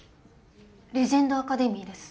レジェンドアカデミーです